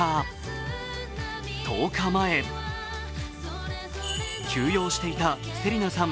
１０日前休養していた芹奈さん